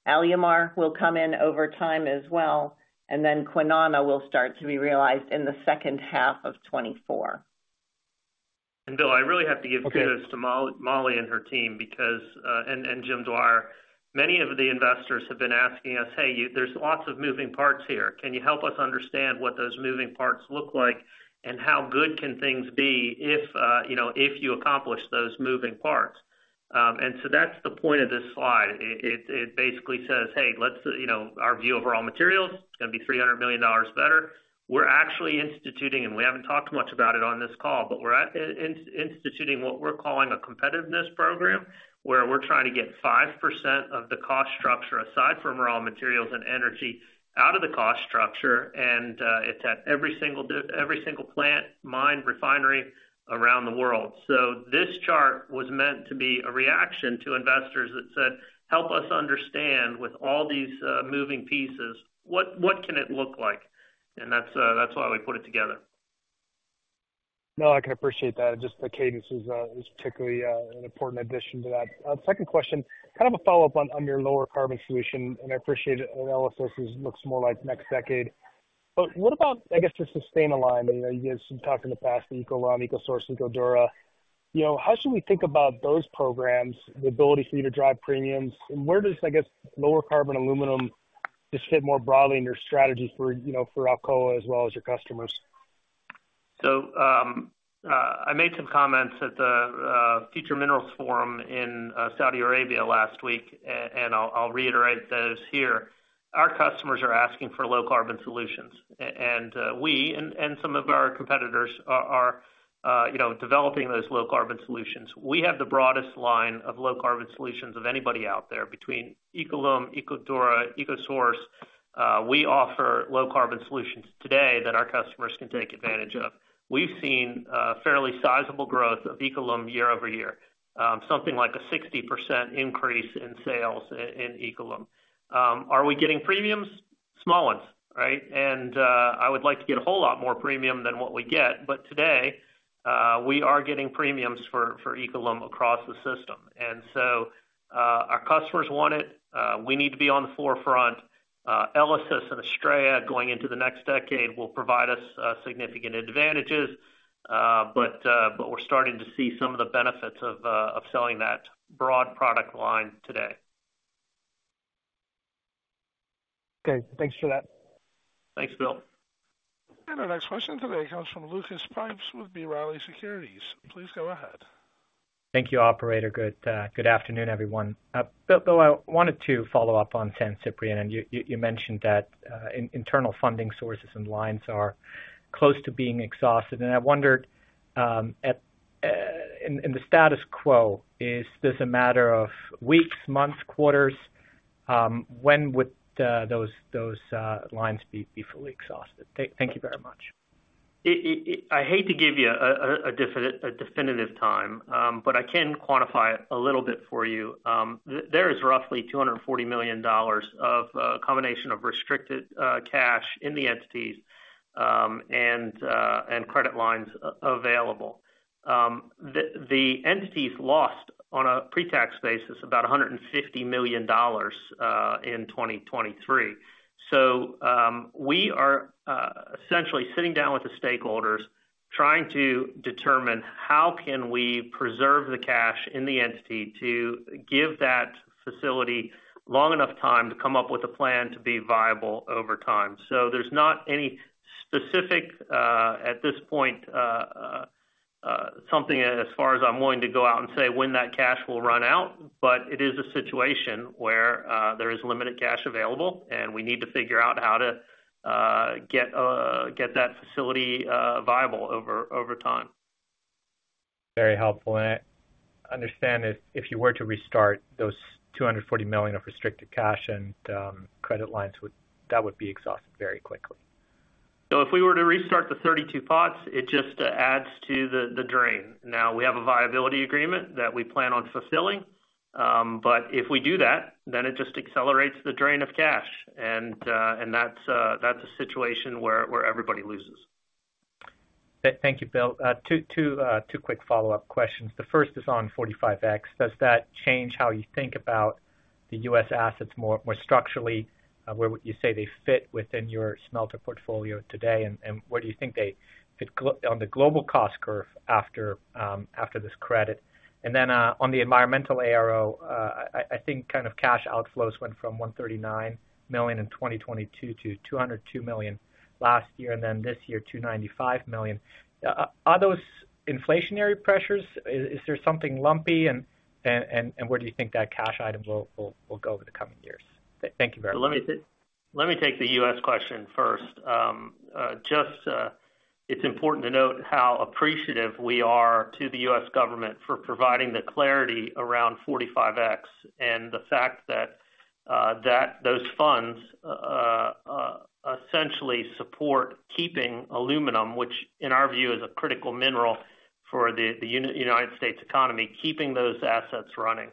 Alumar will come in over time as well, and then Kwinana will start to be realized in the second half of 2024. Bill, I really have to give kudos- Okay... to Molly and her team because, and Jim Dwyer, many of the investors have been asking us, "Hey, there's lots of moving parts here. Can you help us understand what those moving parts look like, and how good can things be if, you know, if you accomplish those moving parts?" And so that's the point of this slide. It basically says, "Hey, let's, you know, our view of raw materials, it's gonna be $300 million better." We're actually instituting, and we haven't talked much about it on this call, but we're instituting what we're calling a competitiveness program, where we're trying to get 5% of the cost structure, aside from raw materials and energy, out of the cost structure, and it's at every single plant, mine, refinery around the world. So this chart was meant to be a reaction to investors that said, "Help us understand with all these moving pieces, what can it look like?" And that's why we put it together. No, I can appreciate that. Just the cadence is particularly an important addition to that. Second question, kind of a follow-up on your lower carbon solution, and I appreciate ELYSIS looks more like next decade. But what about, I guess, just the Sustana alignment? You know, you gave some talk in the past, EcoLum, EcoSource, and EcoDura. You know, how should we think about those programs, the ability for you to drive premiums? And where does, I guess, lower carbon aluminum just fit more broadly in your strategy for, you know, for Alcoa as well as your customers? So, I made some comments at the Future Minerals Forum in Saudi Arabia last week, and I'll, I'll reiterate those here. Our customers are asking for low carbon solutions, and we and some of our competitors are, you know, developing those low carbon solutions. We have the broadest line of low carbon solutions of anybody out there between EcoLum, EcoDura, EcoSource. We offer low carbon solutions today that our customers can take advantage of. We've seen fairly sizable growth of EcoLum year-over-year, something like a 60% increase in sales in EcoLum. Are we getting premiums? Small ones, right? And I would like to get a whole lot more premium than what we get. But today, we are getting premiums for EcoLum across the system. And so, our customers want it. We need to be on the forefront. ELYSIS and Australia, going into the next decade, will provide us significant advantages, but, but we're starting to see some of the benefits of, of selling that broad product line today. Okay, thanks for that. Thanks, Bill. Our next question today comes from Lucas Pipes with B. Riley Securities. Please go ahead. Thank you, operator. Good afternoon, everyone. Bill, Bill, I wanted to follow up on San Ciprián, and you mentioned that internal funding sources and lines are close to being exhausted. I wondered, in the status quo, is this a matter of weeks, months, quarters? When would those lines be fully exhausted? Thank you very much. I hate to give you a definitive time, but I can quantify a little bit for you. There is roughly $240 million of combination of restricted cash in the entities, and credit lines available. The entities lost on a pre-tax basis, about $150 million, in 2023. So, we are essentially sitting down with the stakeholders, trying to determine how can we preserve the cash in the entity to give that facility long enough time to come up with a plan to be viable over time. So there's not any specific, at this point, something as far as I'm willing to go out and say when that cash will run out, but it is a situation where there is limited cash available, and we need to figure out how to get that facility viable over time. Very helpful. I understand if you were to restart those $240 million of restricted cash and credit lines, that would be exhausted very quickly. So if we were to restart the 32 pots, it just adds to the drain. Now, we have a viability agreement that we plan on fulfilling, but if we do that, then it just accelerates the drain of cash, and that's a situation where everybody loses. Thank you, Bill. Two quick follow-up questions. The first is on 45X. Does that change how you think about the U.S. assets more structurally? Where would you say they fit within your smelter portfolio today, and where do you think they fit on the global cost curve after this credit? And then, on the environmental ARO, I think kind of cash outflows went from $139 million in 2022 to $202 million last year, and then this year, $295 million. Are those inflationary pressures? Is there something lumpy, and where do you think that cash item will go over the coming years? Thank you very much. Let me take, let me take the U.S. question first. Just, it's important to note how appreciative we are to the U.S. government for providing the clarity around 45X, and the fact that those funds essentially support keeping aluminum, which in our view is a critical mineral for the United States economy, keeping those assets running.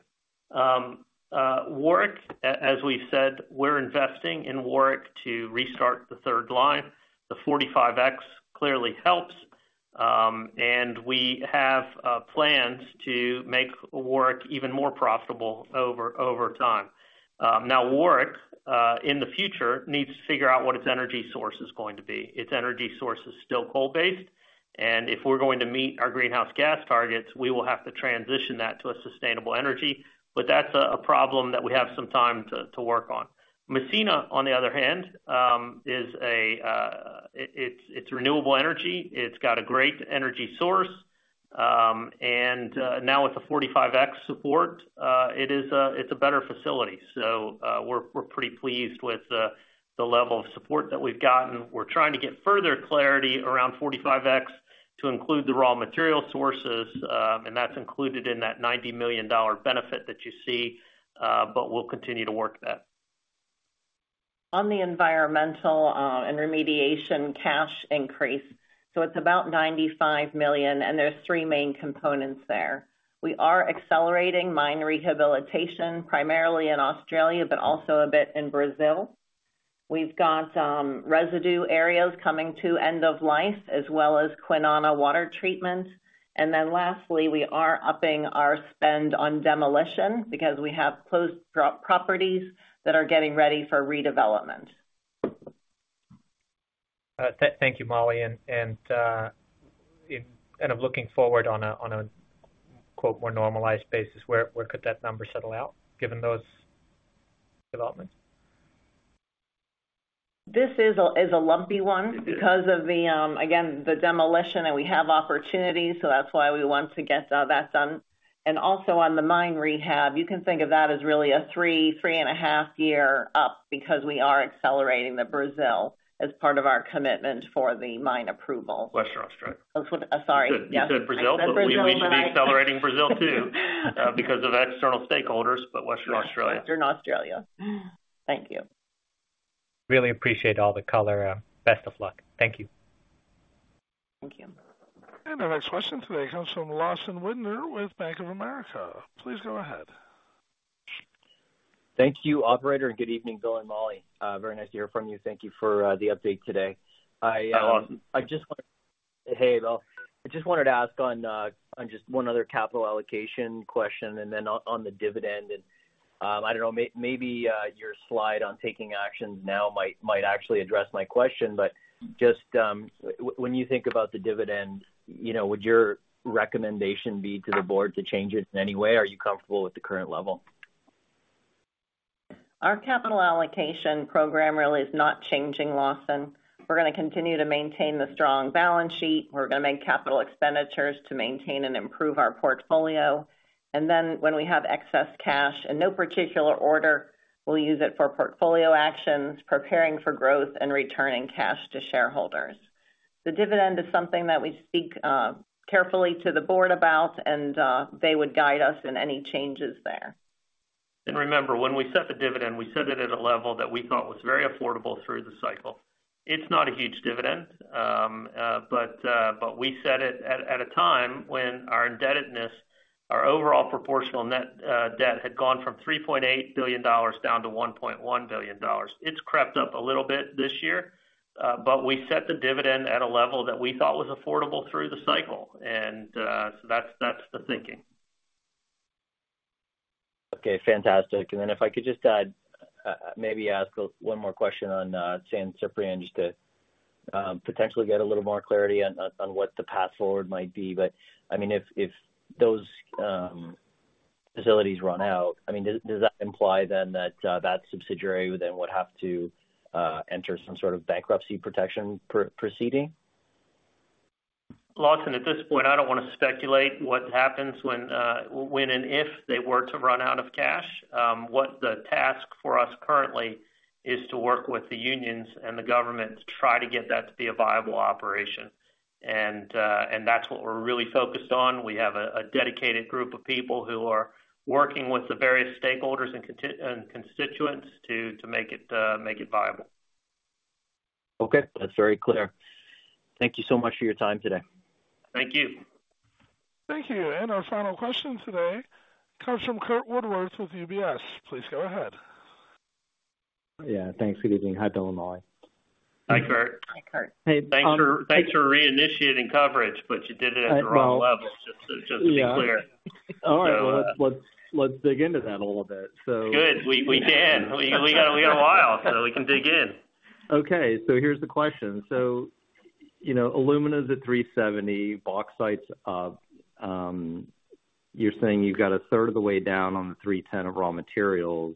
Warwick, as we've said, we're investing in Warwick to restart the third line. The 45X clearly helps, and we have plans to make Warwick even more profitable over time. Now, Warwick in the future needs to figure out what its energy source is going to be. Its energy source is still coal-based, and if we're going to meet our greenhouse gas targets, we will have to transition that to a sustainable energy. But that's a problem that we have some time to work on. Massena, on the other hand, is renewable energy. It's got a great energy source, and now with the 45X support, it is a better facility. So, we're pretty pleased with the level of support that we've gotten. We're trying to get further clarity around 45X to include the raw material sources, and that's included in that $90 million benefit that you see, but we'll continue to work that. On the environmental and remediation cash increase, so it's about $95 million, and there's three main components there. We are accelerating mine rehabilitation, primarily in Australia, but also a bit in Brazil. We've got residue areas coming to end of life, as well as Kwinana water treatment. And then lastly, we are upping our spend on demolition because we have closed properties that are getting ready for redevelopment. Thank you, Molly. And in kind of looking forward on a quote, "more normalized basis," where could that number settle out, given those developments? ... This is a lumpy one because of the, again, the demolition, and we have opportunities, so that's why we want to get that done. Also on the mine rehab, you can think of that as really a 3- to 3.5-year up, because we are accelerating the Brazil as part of our commitment for the mine approval. Western Australia. That's what. Sorry. Yes. You said Brazil- I said Brazil, but I- We should be accelerating Brazil, too, because of external stakeholders, but Western Australia. Western Australia. Thank you. Really appreciate all the color. Best of luck. Thank you. Thank you. Our next question today comes from Lawson Winder with Bank of America. Please go ahead. Thank you, operator, and good evening, Bill and Molly. Very nice to hear from you. Thank you for the update today. I- Hi, Lawson. Hey, Bill. I just wanted to ask on just one other capital allocation question, and then on the dividend. And I don't know, maybe your slide on taking actions now might actually address my question, but just when you think about the dividend, you know, would your recommendation be to the board to change it in any way? Are you comfortable with the current level? Our capital allocation program really is not changing, Lawson. We're gonna continue to maintain the strong balance sheet. We're gonna make capital expenditures to maintain and improve our portfolio, and then when we have excess cash, in no particular order, we'll use it for portfolio actions, preparing for growth and returning cash to shareholders. The dividend is something that we speak carefully to the board about, and they would guide us in any changes there. Remember, when we set the dividend, we set it at a level that we thought was very affordable through the cycle. It's not a huge dividend, but we set it at a time when our indebtedness, our overall proportional net debt, had gone from $3.8 billion down to $1.1 billion. It's crept up a little bit this year, but we set the dividend at a level that we thought was affordable through the cycle, and so that's the thinking. Okay, fantastic. And then if I could just add, maybe ask one more question on San Ciprián, just to potentially get a little more clarity on what the path forward might be. But, I mean, if those facilities run out, I mean, does that imply then that that subsidiary then would have to enter some sort of bankruptcy protection proceeding? Lawson, at this point, I don't want to speculate what happens when, when and if they were to run out of cash. What the task for us currently is to work with the unions and the government to try to get that to be a viable operation. And, and that's what we're really focused on. We have a dedicated group of people who are working with the various stakeholders and constituents to make it viable. Okay, that's very clear. Thank you so much for your time today. Thank you. Thank you. And our final question today comes from Curt Woodworth with UBS. Please go ahead. Yeah, thanks. Good evening. Hi, Bill and Molly. Hi, Curt. Hi, Curt. Thanks for reinitiating coverage, but you did it at the wrong level, just to be clear. All right. Well, let's dig into that a little bit, so- Good. We can. We got a while, so we can dig in. Okay, so here's the question: So, you know, alumina's at $370, bauxite's... You're saying you've got a third1/3of the way down on the $310 million of raw materials,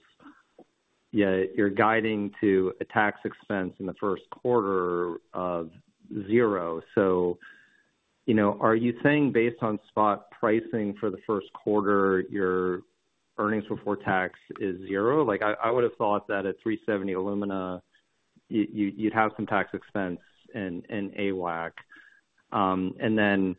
yet you're guiding to a tax expense in the first quarter of $0. So, you know, are you saying, based on spot pricing for the first quarter, your earnings before tax is zero? Like, I, I would've thought that at $370 alumina, you, you'd, you'd have some tax expense and, and AWAC. And then,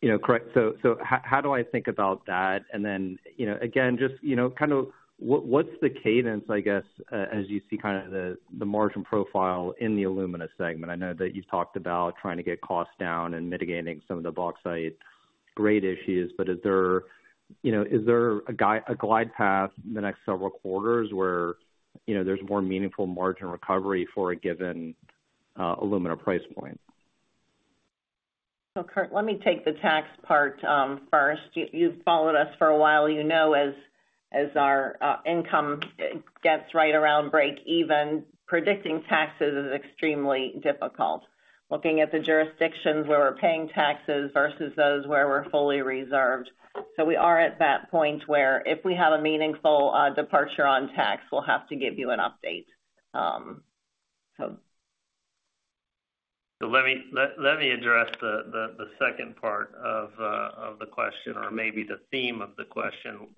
you know, correct-- So, so how, how do I think about that? And then, you know, again, just, you know, kind of what's the cadence, I guess, as you see kind of the, the margin profile in the alumina segment? I know that you've talked about trying to get costs down and mitigating some of the bauxite grade issues, but is there, you know, is there a glide path in the next several quarters where, you know, there's more meaningful margin recovery for a given alumina price point? So, Curt, let me take the tax part first. You've followed us for a while. You know as our income gets right around break even, predicting taxes is extremely difficult. Looking at the jurisdictions where we're paying taxes versus those where we're fully reserved. So we are at that point where if we have a meaningful departure on tax, we'll have to give you an update. So. So let me address the second part of the question or maybe the theme of the question.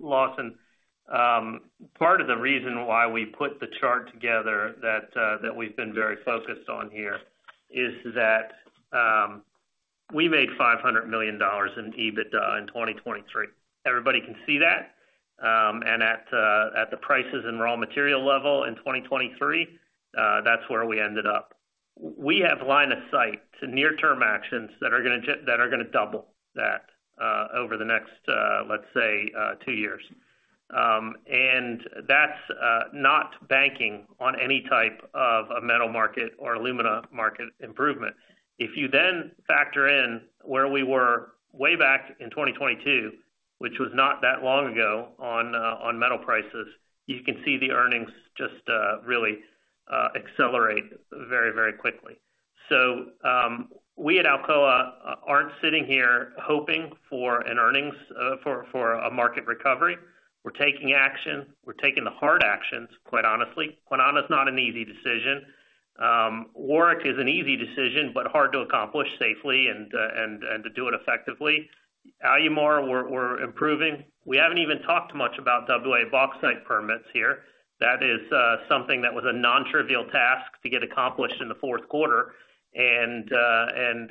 Lawson, part of the reason why we put the chart together that we've been very focused on here is that, we made $500 million in EBITDA in 2023. Everybody can see that. And at the prices and raw material level in 2023, that's where we ended up. We have line of sight to near-term actions that are gonna double that, over the next, let's say, two years. And that's not banking on any type of a metal market or alumina market improvement. If you then factor in where we were way back in 2022, which was not that long ago, on metal prices, you can see the earnings just really accelerate very, very quickly. So, we at Alcoa aren't sitting here hoping for an earnings for a market recovery. We're taking action. We're taking the hard actions, quite honestly. Kwinana is not an easy decision. Warwick is an easy decision, but hard to accomplish safely and to do it effectively. Alumar, we're improving. We haven't even talked much about WA bauxite permits here. That is something that was a nontrivial task to get accomplished in the fourth quarter, and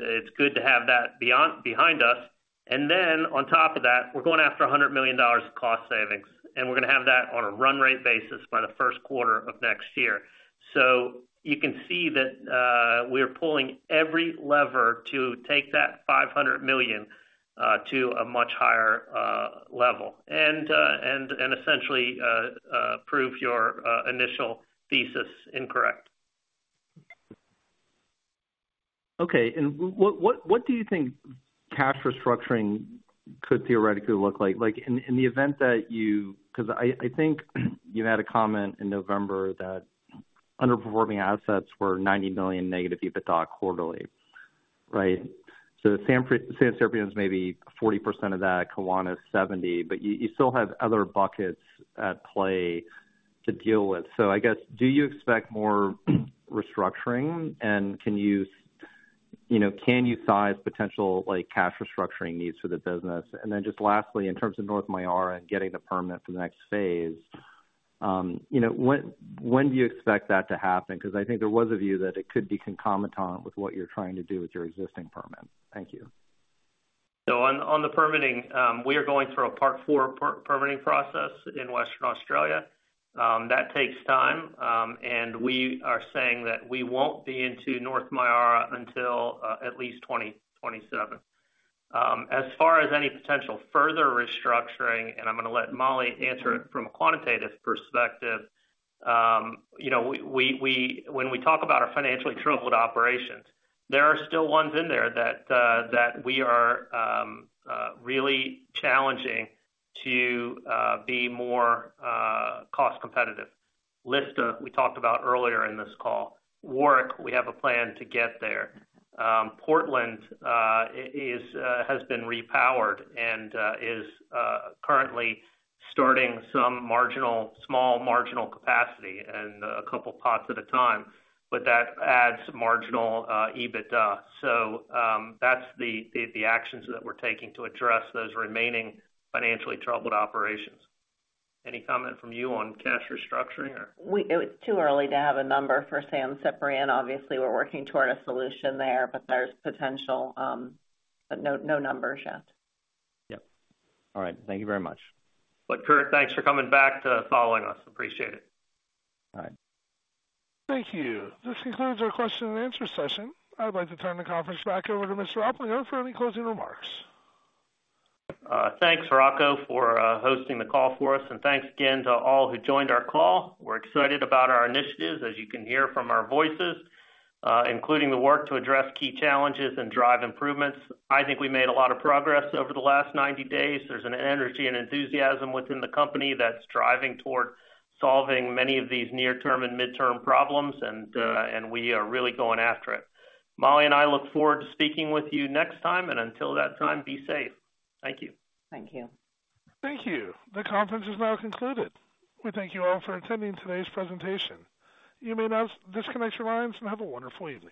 it's good to have that behind us. And then on top of that, we're going after $100 million of cost savings, and we're gonna have that on a run rate basis by the first quarter of next year. So you can see that, we're pulling every lever to take that $500 million to a much higher level, and essentially prove your initial thesis incorrect. Okay. And what, what do you think cash restructuring could theoretically look like? Like, in the event that you—'cause I think you had a comment in November that underperforming assets were $90 million negative EBITDA quarterly, right? So San Ciprián is maybe 40% of that, Kwinana is 70, but you still have other buckets at play to deal with. So I guess, do you expect more restructuring? And can you, you know, can you size potential, like, cash restructuring needs for the business? And then just lastly, in terms of North Myara and getting the permit for the next phase, you know, when do you expect that to happen? Because I think there was a view that it could be concomitant with what you're trying to do with your existing permit. Thank you. So on the permitting, we are going through a Part IV permitting process in Western Australia. That takes time, and we are saying that we won't be into North Myara until at least 2027. As far as any potential further restructuring, and I'm gonna let Molly answer it from a quantitative perspective, you know, we when we talk about our financially troubled operations, there are still ones in there that that we are really challenging to be more cost competitive. Lista, we talked about earlier in this call. Warwick, we have a plan to get there. Portland is has been repowered and is currently starting some marginal, small marginal capacity and a couple pots at a time, but that adds marginal EBITDA. So, that's the actions that we're taking to address those remaining financially troubled operations. Any comment from you on cash restructuring or? It's too early to have a number for San Ciprián. Obviously, we're working toward a solution there, but there's potential, but no, no numbers yet. Yep. All right. Thank you very much. Curt, thanks for coming back to follow us. Appreciate it. All right. Thank you. This concludes our question and answer session. I'd like to turn the conference back over to Mr. Oplinger for any closing remarks. Thanks, Rocco, for hosting the call for us. Thanks again to all who joined our call. We're excited about our initiatives, as you can hear from our voices, including the work to address key challenges and drive improvements. I think we made a lot of progress over the last 90 days. There's an energy and enthusiasm within the company that's driving toward solving many of these near-term and midterm problems, and we are really going after it. Molly and I look forward to speaking with you next time, and until that time, be safe. Thank you. Thank you. Thank you. The conference is now concluded. We thank you all for attending today's presentation. You may now disconnect your lines, and have a wonderful evening.